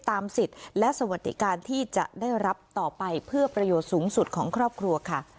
สิทธิ์และสวัสดิการที่จะได้รับต่อไปเพื่อประโยชน์สูงสุดของครอบครัวค่ะ